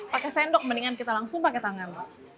pakai sendok mendingan kita langsung pakai tangan